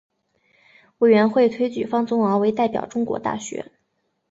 委员会推举方宗鳌为代表中国大学。